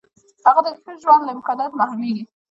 هغه د ښه ژوند له امکاناتو محرومیږي.